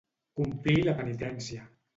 Complir la penitència.